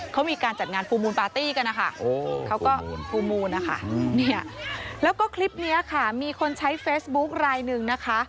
เขามีการจัดงานฟูลมูนปาร์ตี้กันนะคะแล้วก็คลิปนี้มีคนใช้เฟสบุ๊คลายหนึ่งนะคะ